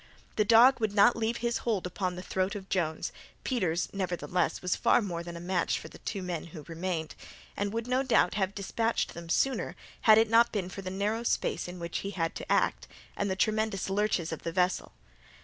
The dog would not leave his hold upon the throat of Jones—Peters, nevertheless, was far more than a match for the two men who remained, and would, no doubt, have dispatched them sooner, had it not been for the narrow space in which he had to act, and the tremendous lurches of the vessel.